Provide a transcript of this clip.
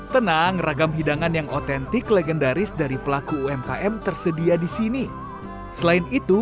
tenang ragam hidangan yang otentik legendaris dari pelaku umkm tersedia di sini selain itu